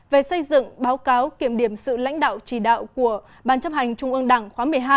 về xây dựng báo cáo kiểm điểm sự lãnh đạo chỉ đạo của ban chấp hành trung ương đảng khóa một mươi hai